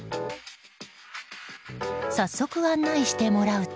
早速、案内してもらうと。